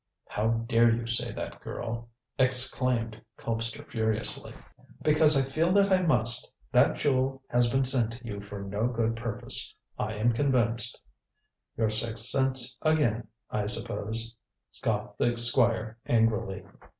"How dare you say that, girl!" exclaimed Colpster furiously. "Because I feel that I must. That jewel has been sent to you for no good purpose, I am convinced." "Your sixth sense again, I suppose," scoffed the Squire angrily.